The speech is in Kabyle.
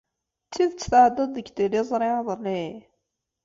D tidet tɛeddaḍ-d deg tliẓri iḍelli?